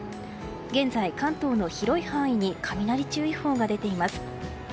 現在、関東の広い範囲に雷注意報が出ています。